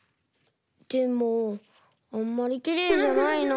でもあんまりきれいじゃないな。